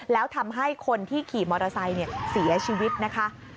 แล้วทำให้คนที่ขี่มอเตอร์ไซค์เสียชีวิตนะคะ